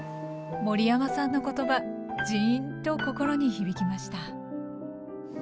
森山さんの言葉じんと心に響きました